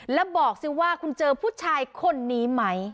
แล้วบอกสิว่าคุณเจอผู้ชายคนนี้ไหม